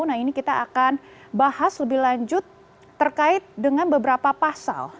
nah ini kita akan bahas lebih lanjut terkait dengan beberapa pasal